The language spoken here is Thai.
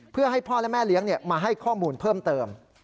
เพื่อให้พ่อและแม่เลี้ยงมาให้ข้อมูลเพิ่มเติม